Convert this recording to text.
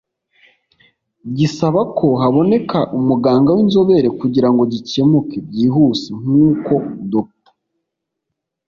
gisaba ko haboneka umuganga w’inzobere kugira ngo gikemuke byihuse; nk’uko Dr